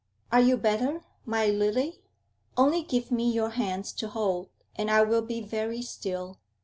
Are you better, my lily? Only give me your hands to hold, and I will be very still.